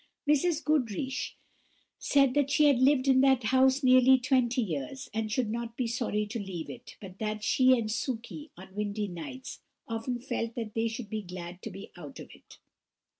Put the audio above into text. Mrs. Goodriche said that she had lived in that house nearly twenty years, and should be sorry to leave it; but that she and Sukey, on windy nights, often felt that they should be glad to be out of it.